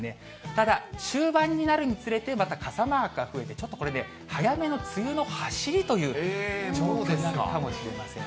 ただ終盤になるにつれて、また傘マークが増えて、ちょっとこれ、早めの梅雨のはしりという状況になるかもしれません。